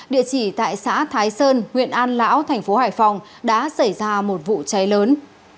địa chỉ tại xã thái sơn huyện an lão thành phố hải phòng đã xảy ra một vụ cháy lớn